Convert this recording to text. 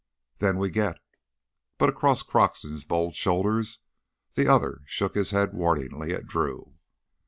"Then we git!" But across Croxton's bowed shoulders the other shook his head warningly at Drew.